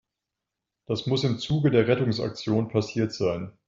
Das muss im Zuge der Rettungsaktion passiert sein.